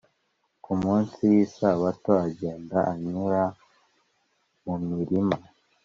Ku munsi w isabato agenda anyura mu mirima